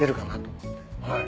はい。